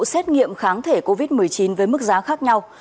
xét nghiệm kháng thể covid một mươi chín với mức giá khác nhau